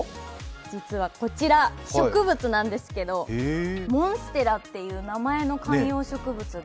実はこちら植物なんですけどモンステラっていう名前の観葉植物で。